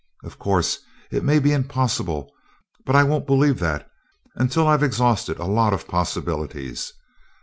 Of course, it may be impossible, but I won't believe that, until I've exhausted a lot of possibilities.